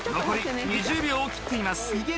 残り２０秒を切っています。